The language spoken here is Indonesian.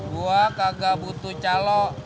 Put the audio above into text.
gue kagak butuh calok